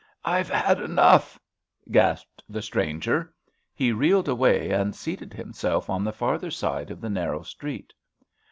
"I've had enough," gasped the stranger. He reeled away, and seated himself on the farther side of the narrow street.